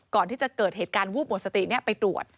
ก่อนที่จะเกิดเหตุการณ์วูบหมดสติไปตรวจ